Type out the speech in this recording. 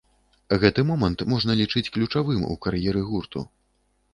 Гэты момант можна лічыць ключавым у кар'еры гурту.